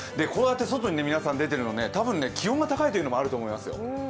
こうやって人が出ているのは多分、気温が高いっていうのがあると思いますよ。